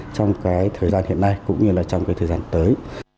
trong cái thời gian hiện nay cũng như là trong cái thời gian tới